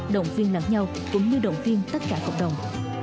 động viên lẫn nhau cũng như động viên tất cả cộng đồng